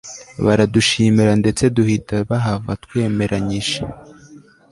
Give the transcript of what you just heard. baraduashimira ndetse duhita bahava twemeranyije